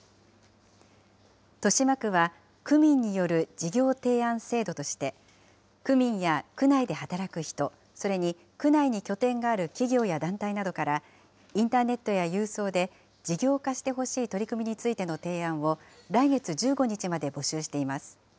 豊島区は、区民による事業提案制度として、区民や区内で働く人、それに区内に拠点がある企業や団体などから、インターネットや郵送で事業化してほしい取り組みについての提案を来月１５日まで募集しています。